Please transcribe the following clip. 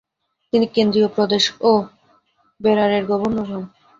তিনি কেন্দ্রীয় প্রদেশ ও বেরারের গভর্নর হন।